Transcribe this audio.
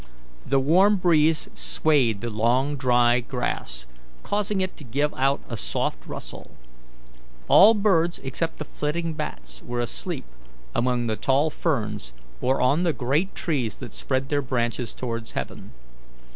The warm breeze swayed the long dry grass, causing it to give out a soft rustle; all birds except the flitting bats were asleep among the tall ferns or on the great trees that spread their branches towards heaven.